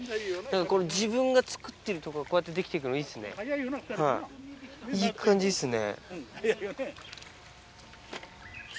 これ自分が作ってるとこがこうやってできて行くのいいですねいい感じですね。